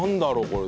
これ。